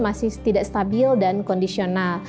masih tidak stabil dan kondisional